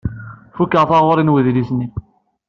Fukeɣ taɣuri n wedlis-nni.